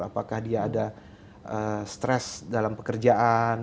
apakah dia ada stres dalam pekerjaan